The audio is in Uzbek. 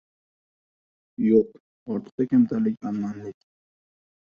— Yo‘q, ortiqcha kamtarlik — manmanlik!